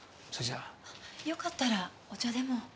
あっよかったらお茶でも。